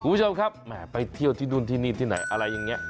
คุณผู้ชมครับแหมไปเที่ยวที่นู่นที่นี่ที่ไหนอะไรอย่างนี้